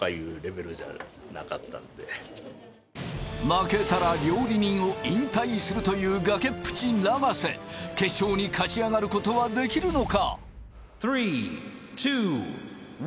負けたら料理人を引退するという崖っぷち長瀬決勝に勝ち上がることはできるのか？